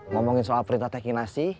ngomongin soal perintah teking nasi